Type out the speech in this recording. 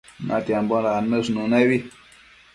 natiambo dannësh nënebi